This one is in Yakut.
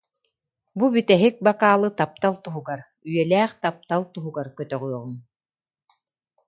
Бу бүтэһик бакаалы таптал туһугар, үйэлээх таптал туһугар көтөҕүөҕүҥ